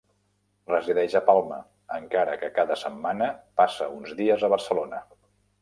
Resideix a Palma, encara que cada setmana passa uns dies a Barcelona.